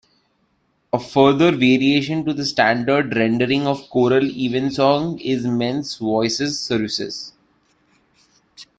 A further variation to the standard rendering of choral evensong is men's voices services.